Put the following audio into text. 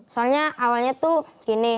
soalnya awalnya tuh gini